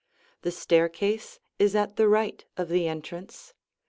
The staircase is at the right of the' entrance.